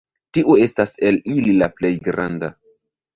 Tiu estas el ili la plej granda.